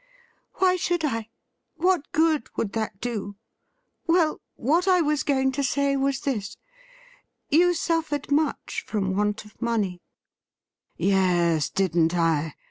' Why should I .= What good would that do ? Well, what I was going to say was this : you suffered much from want of money '' Yes, didn't I?